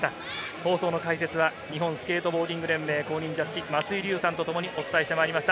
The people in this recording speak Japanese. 放送の解説は日本スケートボーディング連盟公認ジャッジ、松井立さんとともにお伝えしてきました。